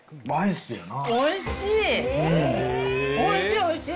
おいしい。